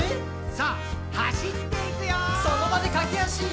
「さあ走っていくよー！」